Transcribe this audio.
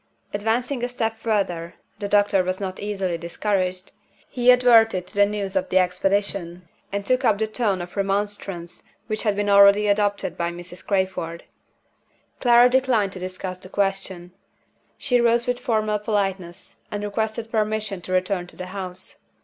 Advancing a step further (the doctor was not easily discouraged) he adverted to the news of the Expedition, and took up the tone of remonstrance which had been already adopted by Mrs. Crayford. Clara declined to discuss the question. She rose with formal politeness, and requested permission to return to the house.